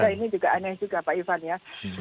ini juga aneh juga pak ivan ya